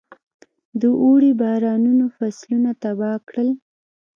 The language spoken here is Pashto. د اوړي بارانونو فصلونه تباه کړل.